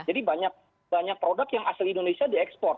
jadi banyak produk yang asal indonesia diekspor